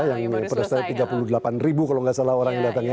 yang berdasarkan tiga puluh delapan ribu kalau nggak salah orang datangnya